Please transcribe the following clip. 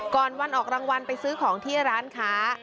ก่อนวันออกรางวัลไปซื้อของที่ร้านค้า